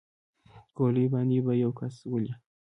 په ګولۍ باندې به يو كس ولې.